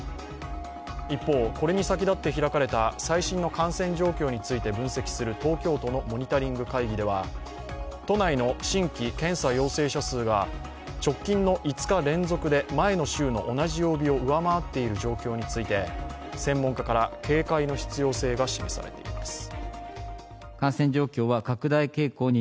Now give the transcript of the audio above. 一方、これに先だって開かれた最新の感染状況について分析する東京都のモニタリング会議では、都内の新規検査陽性者数が直近の５日連続で前の週の同じ曜日を上回っている状況について専門家から警戒の必要性が示されています。